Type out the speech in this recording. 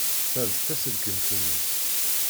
Ta d taselkimt-nnes.